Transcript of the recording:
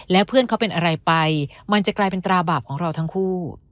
แล้วเพื่อนเขาเป็นอะไรไปมันจะกลายเป็นตราบาปของเราทั้งคู่